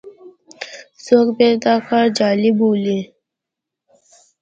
څوک بیا دا کار جعل بولي.